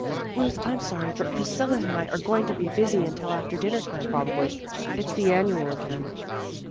"Ruth, I'm sorry, but Priscilla and I are going to be busy until after dinner time, probably. It's the Annual again."